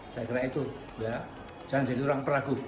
saya kira itu jangan jadi orang peragu